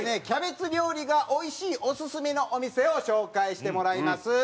キャベツ料理がおいしいオススメのお店を紹介してもらいます。